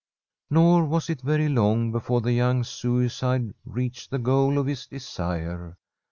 Nor was it very long before the young suicide reached the goal of his desire.